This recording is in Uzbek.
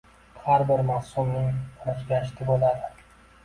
Har bir mavsumning o‘z gashti bo‘ladi.